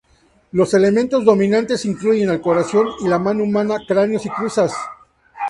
Los elementos dominantes incluyen al corazón y la mano humana, cráneos y cruzas.